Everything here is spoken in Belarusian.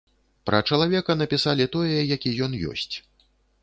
Пра чалавека напісалі тое, які ён ёсць.